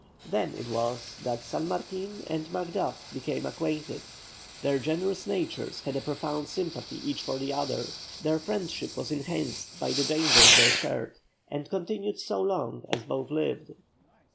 Then it was that San Martin and Macduff became acquainted; their generous natures had a profound sympathy each for the other, their friendship was enhanced by the dangers they shared, and continued so long as both lived.